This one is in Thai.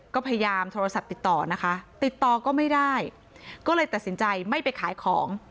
ก็พยายามโทรศัพท์ติดต่อนะคะติดต่อก็ไม่ได้ก็เลยตัดสินใจไม่ไปขายของ